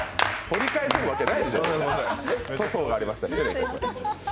取り返せるわけないでしょ。